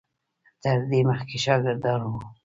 تر دې مخکې شاګردان وو.